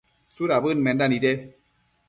¿tsudabëd menda nide ?